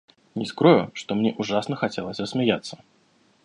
Не скрою, что мне ужасно хотелось засмеяться.